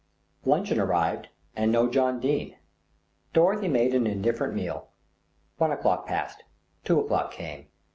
Luncheon arrived and no John Dene. Dorothy made an indifferent meal. One o'clock passed, two o'clock came.